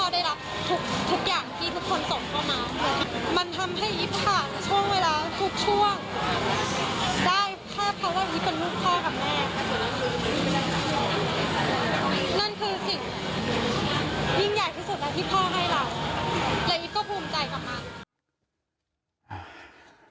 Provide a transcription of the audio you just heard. และอีฟก็ภูมิใจกับมัน